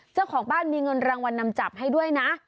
เจ้าของบ้านมีเงินรางวัลนำจับให้ด้วยนะ